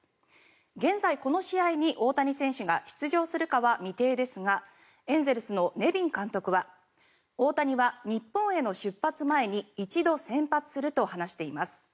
現在、この試合に大谷選手が出場するかは未定ですがエンゼルスのネビン監督は大谷は日本への出発前に一度先発すると話しています。